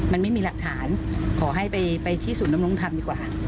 มันไม่มีหลักฐานขอให้ไปที่ศูนย์ดำรงธรรมดีกว่า